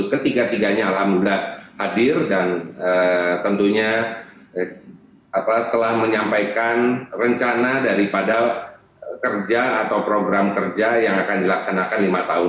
ketiga tiganya alhamdulillah hadir dan tentunya telah menyampaikan rencana daripada kerja atau program kerja yang akan dilaksanakan lima tahun